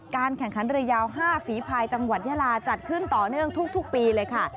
แข่งขันเรือยาว๕ฝีภายจังหวัดยาลาจัดขึ้นต่อเนื่องทุกปีเลยค่ะ